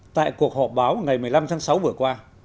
tại cuộc họp báo ngày một mươi năm tháng sáu vừa qua